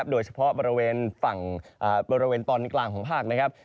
โดยเฉพาะบริเวณฝั่งป่อนกลางของภาค